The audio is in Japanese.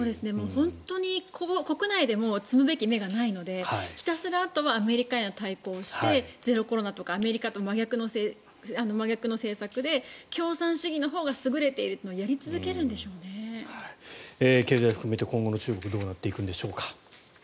本当に国内でも摘むべき芽がないのでひたすらあとはアメリカと対抗してゼロコロナとかアメリカと真逆の政策で共産主義のほうが優れているというのを経済含めて今後の中国はどうなっていくんでしょうか。